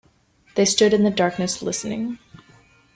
They stood in the darkness listening.